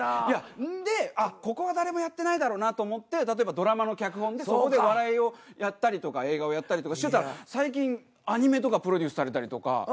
いやそんでここは誰もやってないだろうなと思って例えばドラマの脚本でそこで笑いをやったりとか映画をやったりとかしてたら最近アニメとかプロデュースされたりとか。